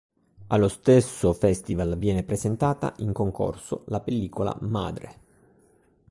Allo stesso festival viene presentata, in concorso, la pellicola "Madre!